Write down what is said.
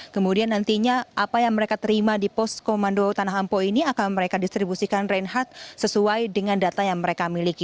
kemudian nantinya apa yang mereka terima di poskomando tanah ampo ini akan mereka distribusikan reinhard sesuai dengan data yang mereka miliki